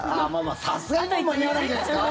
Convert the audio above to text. さすがにもう間に合わないんじゃないですか。